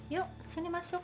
yuk sini masuk